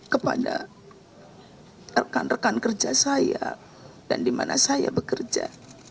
kepada rekan rekan kerja saya dan di mana saya bekerja